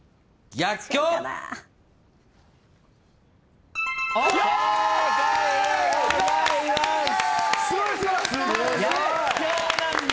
「逆境」なんだ。